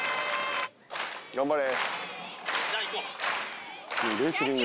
頑張れ。